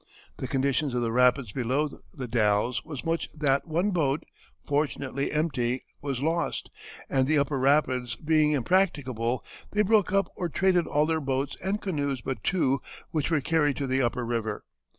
The conditions of the rapids below The Dalles was such that one boat, fortunately empty, was lost, and the upper rapids being impracticable, they broke up or traded all their boats and canoes but two, which were carried to the upper river.